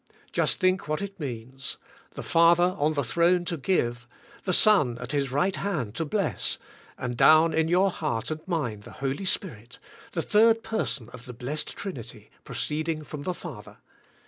Just think what it means. The Father on the throne to give; the Son at His right hand to bless, and down in your heart and mine the Holy Spirit, the third Per son of the Blessed Trinity, proceeding from the Fa ther.